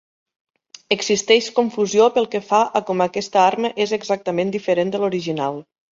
Existeix confusió pel que fa a com aquesta arma és exactament diferent de l'original.